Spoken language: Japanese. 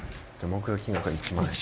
目標金額は１万円。